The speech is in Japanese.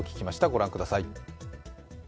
ご覧ください。